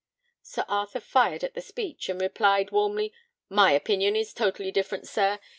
Sir Arthur fired at the speech, and replied, warmly, "My opinion is totally different, sir.